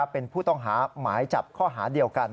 เป็นผู้ต้องหาหมายจับข้อหาเดียวกัน